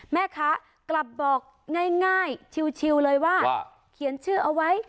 แม่ค้ากลับบอกง่ายชิวเลยว่าเขียนชื่อเอาไว้